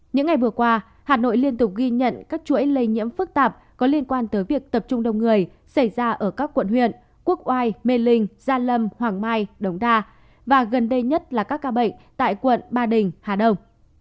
những ngày vừa qua hà nội liên tục ghi nhận các chuỗi lây nhiễm phức tạp có liên quan tới việc tập trung đông người xảy ra ở các quận huyện quốc oai mê linh gia lâm hoàng mai đống đa và gần đây nhất là các ca bệnh tại quận ba đình hà đông